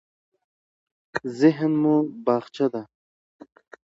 ذهن مو باغچه ده.